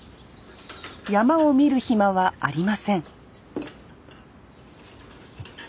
曳山を見る暇はありません